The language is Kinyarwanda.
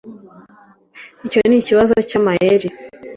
icyo nikibazo cyamayeri